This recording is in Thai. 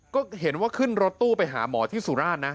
ก็เห็นว่าขึ้นรถตู้ไปหาหมอที่สุราชนะ